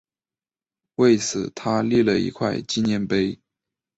为此他立了一块纪念碑。